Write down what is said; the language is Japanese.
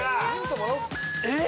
えっ？